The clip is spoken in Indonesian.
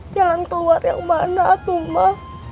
jalan keluar yang mana tuh ma